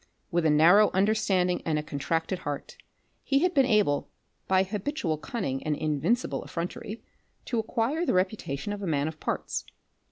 With a narrow understanding and a contracted heart, he had been able by habitual cunning and invincible effrontery, to acquire the reputation of a man of parts.